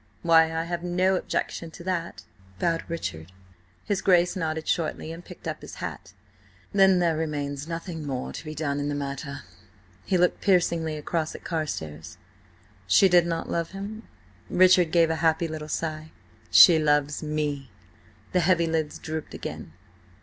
"Why, I have no objection to that," bowed Richard. His Grace nodded shortly and picked up his hat. "Then there remains nothing more to be done in the matter." He looked piercingly across at Carstares. "She did not love him?" Richard gave a happy little sigh. "She loves me." The heavy lids drooped again.